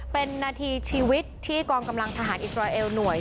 เป็นนาทีชีวิตที่กองกำลังทหารอิสราเอลหน่วย